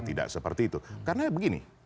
tidak seperti itu karena begini